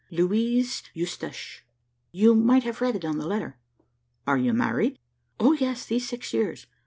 "Louise Eustache; you might have read it on the letter." "Are you married?" "O yes, these six years.